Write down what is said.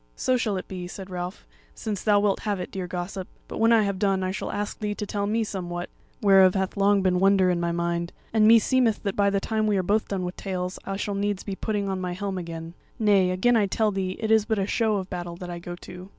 "So shall it be," said Ralph, "since thou wilt have it, dear gossip; but when I have done I shall ask thee to tell me somewhat, whereof hath long been wonder in my mind; and meseemeth that by the time we are both done with tales, I shall needs be putting on my helm again. Nay, again I tell thee it is but a show of battle that I go to!"